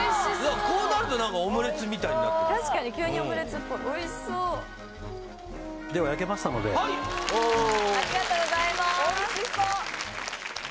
こうなると何かオムレツみたいになってる確かに急にオムレツっぽいおいしそうでは焼けましたのでありがとうございます・おいしそう！